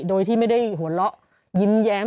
โดยที่ไม่ได้หัวเราะยิ้มแย้ม